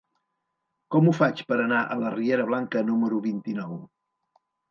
Com ho faig per anar a la riera Blanca número vint-i-nou?